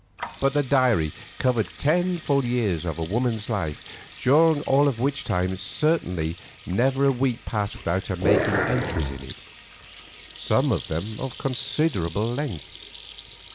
But the diary covered ten full years of a woman's life, during all of which time certainly never a week passed without her making entries in it, some of them of considerable length.